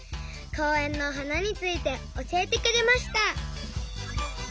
こうえんのはなについておしえてくれました。